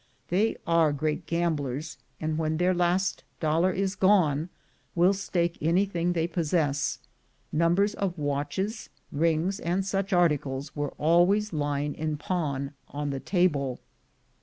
They are great gamblers, and, when their last dollar is gone, will stake anything they possess: numbers of watches, rings, and such articles, were always lying in pawn on the table.